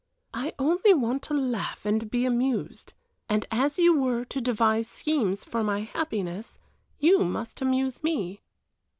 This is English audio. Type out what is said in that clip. "I only want to laugh and be amused, and as you were to devise schemes for my happiness, you must amuse me."